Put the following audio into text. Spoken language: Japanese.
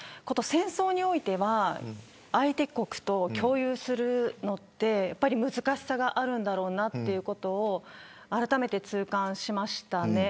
戦争においては相手国と共有するのは難しさがあるんだろうなということをあらためて痛感しました。